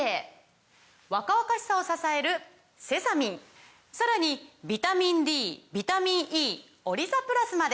若々しさを支えるセサミンさらにビタミンＤビタミンＥオリザプラスまで！